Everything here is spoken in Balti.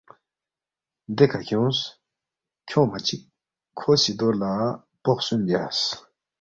دیکھہ کھیونگس، کھیونگما چِک کھو سی دو لہ پو خسُوم بیاس